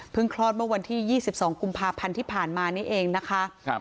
คลอดเมื่อวันที่๒๒กุมภาพันธ์ที่ผ่านมานี่เองนะคะ